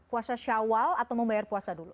puasa syawal atau membayar puasa dulu